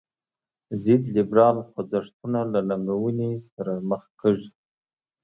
ضد لیبرال خوځښتونه له ننګونې سره مخ کیږي.